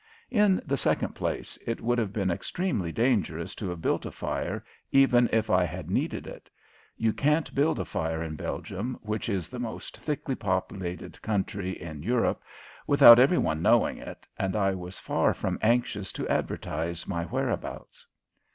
In the second place, it would have been extremely dangerous to have built a fire even if I had needed it. You can't build a fire in Belgium, which is the most thickly populated country in Europe, without every one knowing it, and I was far from anxious to advertise my whereabouts.